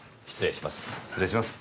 失礼します。